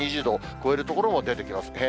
２０度を超える所も出てきます。